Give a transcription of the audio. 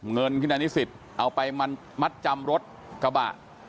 เงินที่นายนิสิตเอาไปมัดจำรถกระบะ